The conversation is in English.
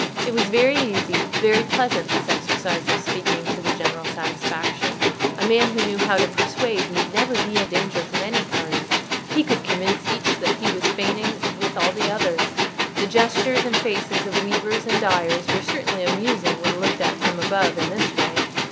It was very easy, very pleasant, this exercise of speaking to the general satisfaction: a man who knew how to persuade need never be in danger from any party; he could convince each that he was feigning with all the others. The gestures and faces of weavers and dyers were certainly amusing when looked at from above in this way.